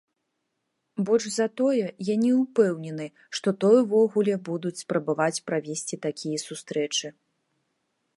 Больш за тое, я не ўпэўнены, што той увогуле будуць спрабаваць правесці такія сустрэчы.